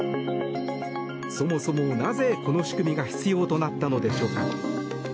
そもそもなぜ、この仕組みが必要となったのでしょうか。